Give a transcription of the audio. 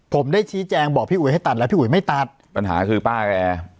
ผมได้ชี้แจงบอกพี่อุ๋ยให้ตัดแล้วพี่อุ๋ยไม่ตัดปัญหาคือป้าแก